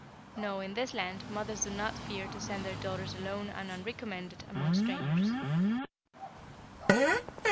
No, in this land, mothers do not fear to send their daughters alone and unrecommended among strangers."